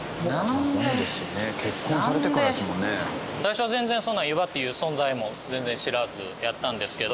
最初は全然湯葉っていう存在も全然知らずやったんですけど。